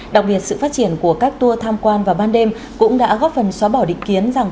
đặc biệt sự phát triển của các tour tham quan vào ban đêm cũng đã góp phần xóa bỏ định kiến rằng